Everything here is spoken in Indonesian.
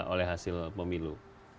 oleh hasil pemilu